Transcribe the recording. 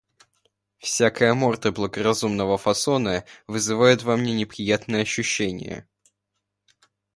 Всякая морда благоразумного фасона вызывает во мне неприятное ощущение.